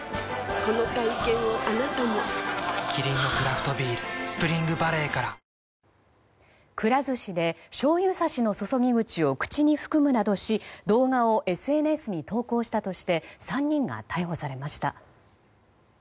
この体験をあなたもキリンのクラフトビール「スプリングバレー」からくら寿司でしょうゆさしの注ぎ口を口に含むなどし動画をＳＮＳに投稿したとして３人が逮捕されました。